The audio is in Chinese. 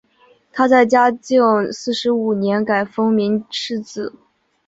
他在嘉靖四十五年改封岷世子。